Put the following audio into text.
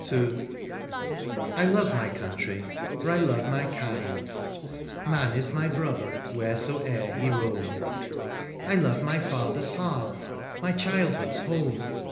TO I love my country, for I love my kind — Man is my brother wheresoever he roam — I love my father's hearth, my childhood^s home.